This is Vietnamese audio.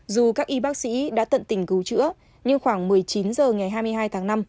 dù các y bác sĩ đã tận tình cứu chữa nhưng khoảng một mươi chín h ngày hai mươi hai tháng năm